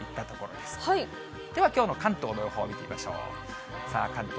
ではきょうの関東の予報、見てみましょう。